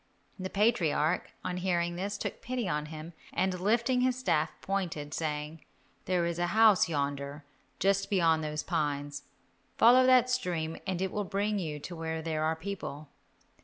The patriarch, on hearing this, took pity on him, and lifting his staff, pointed, saying, "There is a house yonder, just beyond those pines, follow that stream and it will bring you to where there are people."